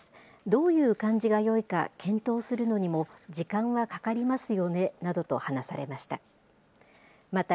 どういう漢字がよいか検討するのにも時間はかかりますよねなどと話されました。